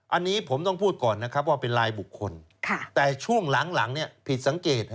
อันนี้ผมต้องพูดก่อนนะครับว่าเป็นลายบุคคลแต่ช่วงหลังผิดสังเกต